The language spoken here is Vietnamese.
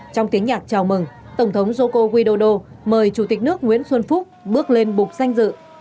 trong tiếng nhạc chào mừng tổng thống joko widodo mời chủ tịch nước nguyễn xuân phúc bước lên bục danh dự